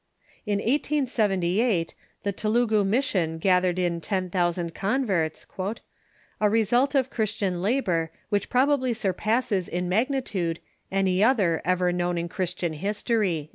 In 1878 the Telugu mission gathered in ten thousand converts, " a result of Christian labor which probably surpasses in mag nitude any other ever known in Christian history."